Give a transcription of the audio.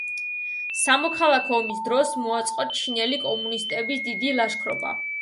სამოქალაქო ომის დროს მოაწყო ჩინელი კომუნისტების დიდი ლაშქრობა.